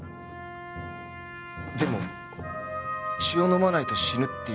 でも血を飲まないと死ぬっていうのは。